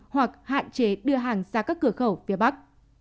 hoặc hạn chế đưa hàng ra các cửa khẩu phía bắc